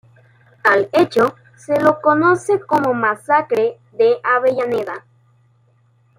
Al hecho se lo conoce como Masacre de Avellaneda.